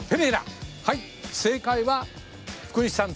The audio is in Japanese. はい正解は福西さん